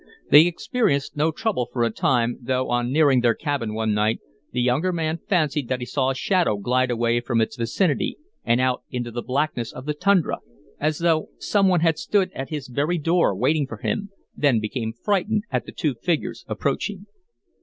They experienced no trouble for a time, though on nearing their cabin one night the younger man fancied that he saw a shadow glide away from its vicinity and out into the blackness of the tundra, as though some one had stood at his very door waiting for him, then became frightened at the two figures approaching.